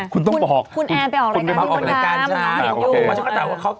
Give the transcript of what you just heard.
คุณต้องบอก